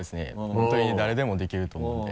本当に誰でもできると思うので。